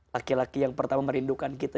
laki laki yang pertama merindukan kita